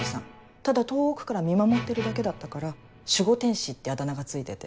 ただ遠くから見守ってるだけだったから守護天使ってあだ名が付いてて。